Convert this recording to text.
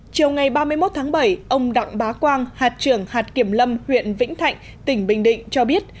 chiều ngày ba mươi một tháng bảy ông đặng bá quang hạt trưởng hạt kiểm lâm huyện vĩnh thạnh tỉnh bình định cho biết